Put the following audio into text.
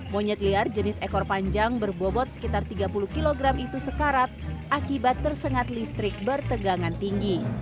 monyet liar jenis ekor panjang berbobot sekitar tiga puluh kg itu sekarat akibat tersengat listrik bertegangan tinggi